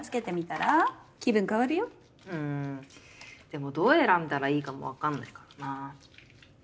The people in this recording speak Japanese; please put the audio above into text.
でもどう選んだらいいかも分かんないからな。